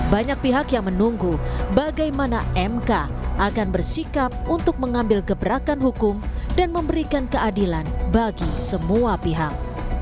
banyak pihak yang menunggu bagaimana mk akan bersikap untuk mengambil gebrakan hukum dan memberikan keadilan bagi semua pihak